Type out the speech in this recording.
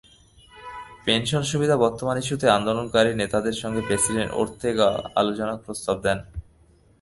Pension সুবিধা পরিবর্তন ইস্যুতে আন্দোলনকারী নেতাদের সঙ্গে প্রেসিডেন্ট ওর্তেগা আলোচনার প্রস্তাব দেন।